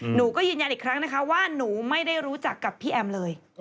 หนูก็ยืนยันอีกครั้งนะคะว่าหนูไม่ได้รู้จักกับพี่แอมเลย